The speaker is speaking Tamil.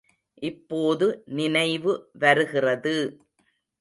இப்போது நினைவு வருகிறது!